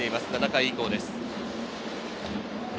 ７回以降です。